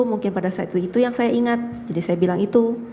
mungkin pada saat itu itu yang saya ingat jadi saya bilang itu